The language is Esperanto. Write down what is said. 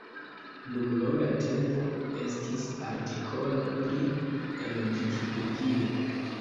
Dum longa tempo estis artikolo pri en Vikipedio.